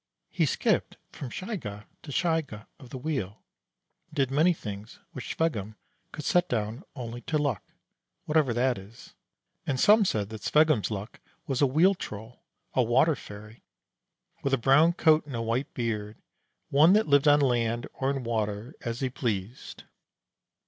He skipped from skjaeke to skjaeke of the wheel, and did many things which Sveggum could set down only to luck whatever that is; and some said that Sveggum's luck was a Wheel troll, a Water fairy, with a brown coat and a white beard, one that lived on land or in water, as he pleased.